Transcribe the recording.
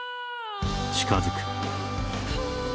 近づく。」。